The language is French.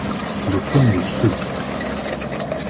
Le temps est chaud.